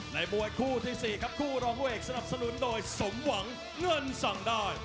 มวยคู่ที่๔ครับคู่รองผู้เอกสนับสนุนโดยสมหวังเงินสั่งได้